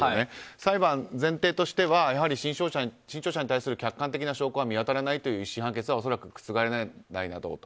裁判、前提としてはやはり新潮社に対する客観的な証拠は見当たらないという１審判決は恐らく覆らないだろうと。